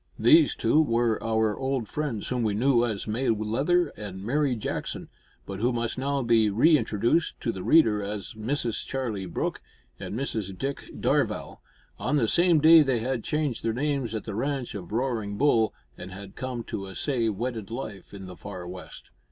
These two were our old friends whom we knew as May Leather and Mary Jackson, but who must now be re introduced to the reader as Mrs Charlie Brooke and Mrs Dick Darvall. On the same day they had changed their names at the Ranch of Roaring Bull, and had come to essay wedded life in the far west.